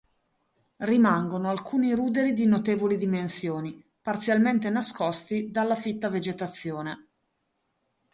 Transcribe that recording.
Rimangono alcuni ruderi di notevoli dimensioni, parzialmente nascosti dalla fitta vegetazione.